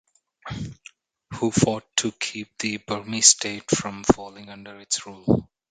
Who fought to keep the Burmese state from falling under its rule?